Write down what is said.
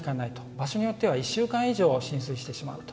場所によっては１週間以上浸水してしまうと。